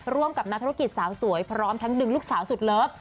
ร่วมกับนักธุรกิจสาวสวยพร้อมทั้งดึงลูกสาวสุดเลิฟ